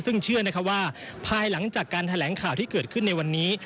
ซึ่งเชื่อนะคะว่าภายหลังจากการแถลงข่าวที่เกิดขึ้นในวันนี้